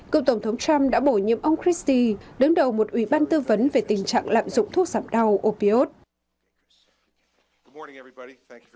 cựu tổng thống trump đã bổ nhiệm ông christie đứng đầu một ủy ban tư vấn về tình trạng lạm dụng thuốc giảm đau opios